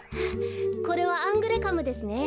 これはアングレカムですね。